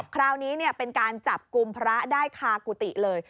คราวนี้เป็นการจับกลุ่มพระได้คากุฏิเลย